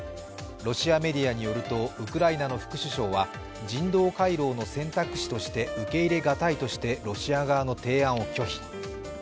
ロシアメディアによるとウクライナの副首相は人道回廊の選択肢として受け入れ難いとしてロシア側の提案を拒否。